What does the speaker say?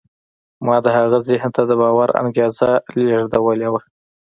ما د هغه ذهن ته د باور انګېزه لېږدولې وه.